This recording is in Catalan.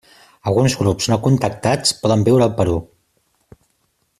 Alguns grups no contactats poden viure al Perú.